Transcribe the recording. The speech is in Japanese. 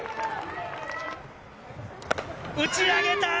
打ち上げた！